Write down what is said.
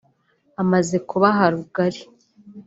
Amaze kubaha rugari